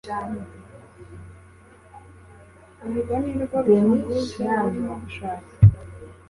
Urwo nirwo rufunguzo urimo gushaka